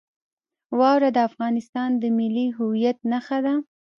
واوره د افغانستان د ملي هویت نښه ده.